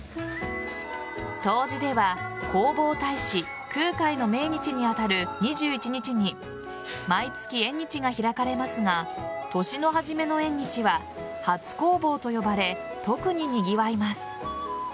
東寺では弘法大師・空海の命日に当たる２１日に毎月縁日が開かれますが年の初めの縁日は初弘法と呼ばれ特ににぎわいます。